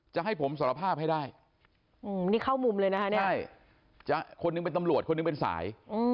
จะให้ผมสรภาพให้ได้นี่เข้ามุมเลยนะฮะเนี่ย